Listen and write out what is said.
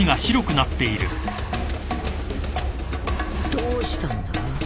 どうしたんだ？